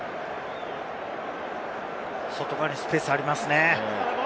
外側にスペースありますね。